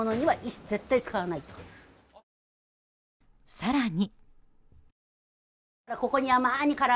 更に。